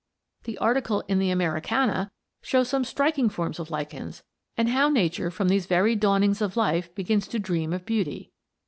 The article in the "Americana" shows some striking forms of lichens, and how nature from these very dawnings of life begins to dream of beauty.